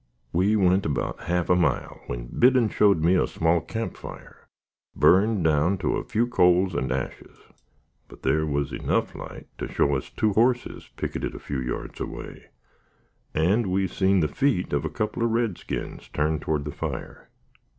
We went about half a mile, when Biddon showed me a small camp fire, burned down to a few coals and ashes; but there was enough light to show us two hosses picketed a few yards away, and we seen the feet of a couple of redskins turned toward the fire.